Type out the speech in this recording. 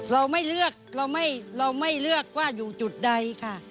เราไม่เลือกว่าอยู่จุดใดค่ะ